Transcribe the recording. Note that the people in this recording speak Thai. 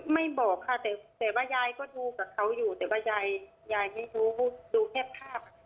ไม่บอกค่ะแต่ว่ายายก็ดูกับเขาอยู่แต่ว่ายายยายไม่รู้ดูแค่ภาพ